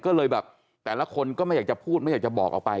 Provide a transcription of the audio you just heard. ก็เลยแบบแต่ละคนก็ไม่อยากจะพูดไม่อยากจะบอกออกไป